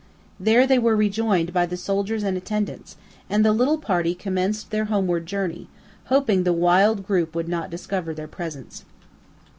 There they were rejoined by the soldiers and attendants, and the little party commenced their homeward journey, hoping the wild group would not discover their presence.